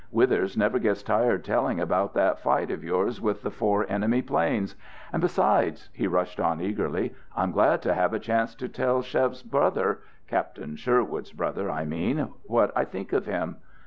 Withers never gets tired telling about that fight of yours with the four enemy planes. And besides," he rushed on eagerly, "I'm glad to have a chance to tell Chev's brother Captain Sherwood's brother, I mean what I think of him.